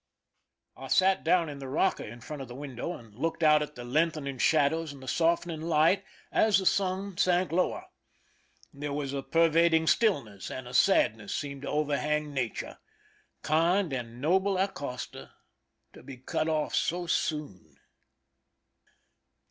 I sat down in the rocker in front of the window, and looked out at the lengthening shadows and the softening light as the sun sank lower. There was a pervading stillness, and a sadness seemed to overhang nature. Kind and noble Acosta, to be cut off so soon